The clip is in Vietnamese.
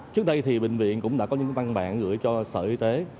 trước đây thì bệnh viện cũng đã có những văn bản gửi cho sở y tế